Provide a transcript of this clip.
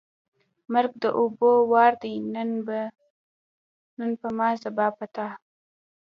ـ مرګ د اوبو وار دی نن په ما ، سبا په تا.